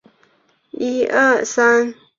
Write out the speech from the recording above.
他主张综合治理黄河下游。